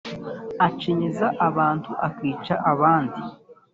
acinyiza abantu akica abandi